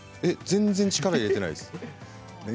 全然、力を入れていないです。